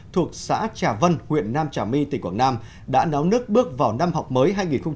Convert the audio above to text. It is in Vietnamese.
thuộc xã trà vân huyện nam trà my tỉnh quảng nam đã nấu nước bước vào năm học mới hai nghìn một mươi tám hai nghìn một mươi chín